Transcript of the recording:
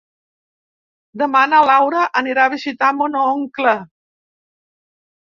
Demà na Laura anirà a visitar mon oncle.